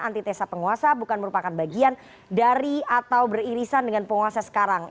antitesa penguasa bukan merupakan bagian dari atau beririsan dengan penguasa sekarang